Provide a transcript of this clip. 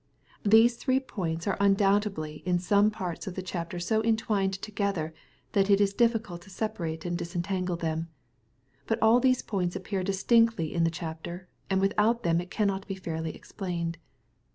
These three points are un* MATTHEW, CUAP. XXIV. 818 donbtedly in some parts of the chapter so entwined together, that it is difficult to separate and disentangle them. But all these points appear distinctly in the chapter, and without them it cannot be fairly explained.